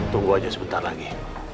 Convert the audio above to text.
tunggu aja sebentar lagi